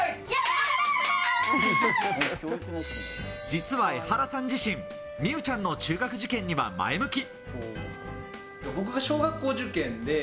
実はエハラさん自身、美羽ちゃんの中学受験には前向き。